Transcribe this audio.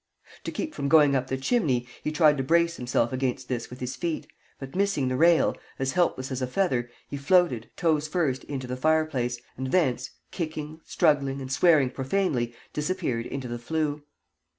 To keep from going up the chimney, he tried to brace himself against this with his feet, but missing the rail, as helpless as a feather, he floated, toes first, into the fireplace, and thence, kicking, struggling, and swearing profanely, disappeared into the flue.